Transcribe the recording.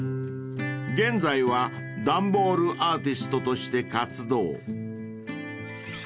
［現在は段ボールアーティストとして活動］